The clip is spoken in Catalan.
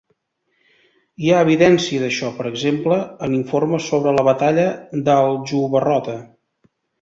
Hi ha evidència d'això, per exemple, en informes sobre la batalla d'Aljubarrota.